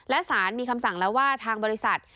และสารมีคำสั่งแล้วว่าทางบริษัท